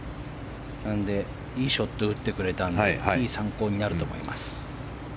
なので、いいショットを打ってくれたのでいい参考になると思います。